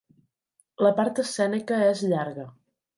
La part escènica és llarga.